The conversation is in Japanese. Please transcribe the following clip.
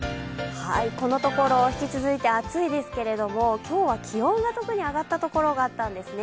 このところ引き続いて暑いですけれども、今日は気温が特に上がったところがあったんですね。